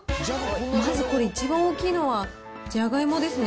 まずこれ、一番大きいのはじゃがいもですね。